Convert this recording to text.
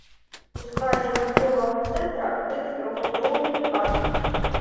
У складзе гандлёвага цэнтра адкрыты трохузроўневы паркінг.